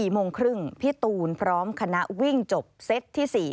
๔โมงครึ่งพี่ตูนพร้อมคณะวิ่งจบเซตที่๔